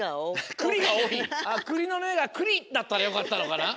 「くりのめがクリ」だったらよかったのかな？